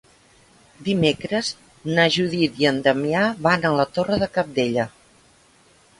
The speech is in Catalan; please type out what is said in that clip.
Dimecres na Judit i en Damià van a la Torre de Cabdella.